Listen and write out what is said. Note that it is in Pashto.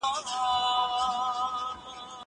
کېدای سي تمرين ستړي وي!؟